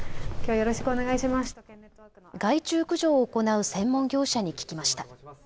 害虫駆除を行う専門業者に聞きました。